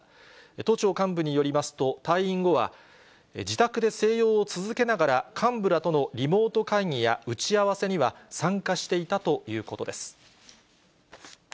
都庁幹部によりますと、退院後は、自宅で静養を続けながら、幹部らとのリモート会議や打ち合わせには参加していたということです。